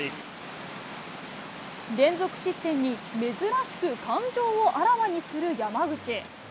連続失点に、珍しく感情をあらわにする山口。